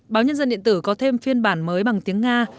báo nhân dân điện tử có thêm phiên bản mới bằng tiếng nga